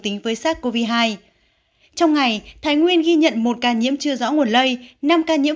khách sát covid hai trong ngày thái nguyên ghi nhận một ca nhiễm chưa rõ nguồn lây năm ca nhiễm